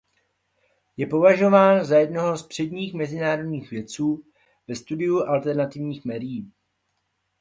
Je považován za jednoho z předních mezinárodních vědců ve studiu alternativních médií.